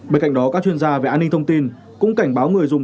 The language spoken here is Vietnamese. bên cạnh đó các chuyên gia về an ninh thông tin cũng cảnh báo người dùng